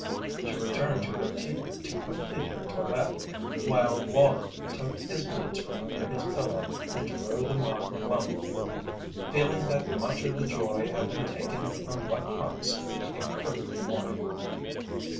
She returned to her teepee to complete her toilette while Wallie took his boots from under his pillow and drew them on glumly, feeling that much of the joy had been taken from what promised to be a perfect morning.